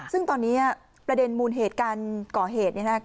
ซึ่งตอนนี้ประเด็นมูลเหตุการก่อเหตุ